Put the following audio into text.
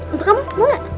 untuk kamu mau gak